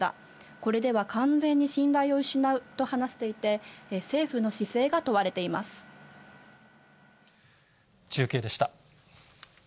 これでは完全に信頼を失うと話していて、政府の姿勢が問われてい中継でした。